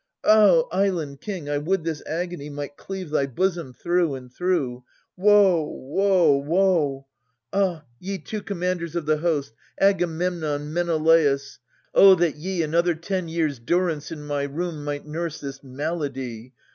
ah! island king, I would this agony Might cleave thy bosom through and through ! Woe, woe Woe ! Ah ! ye two commanders of the host, Agamemnon, Menelaiis, O that ye, Another ten years' durance in my room Might nurse this malady